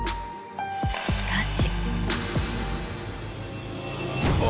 しかし。